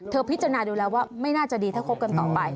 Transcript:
พิจารณาดูแล้วว่าไม่น่าจะดีถ้าคบกันต่อไป